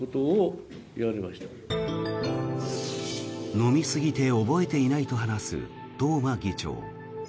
飲みすぎて覚えていないと話す東間議長。